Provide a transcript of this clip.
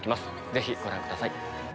是非ご覧ください。